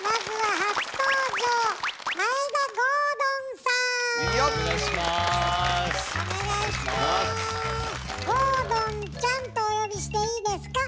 郷敦ちゃんとお呼びしていいですか？